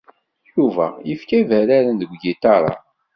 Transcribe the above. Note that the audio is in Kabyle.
Yuba yefka ibarraren deg ugiṭar-a.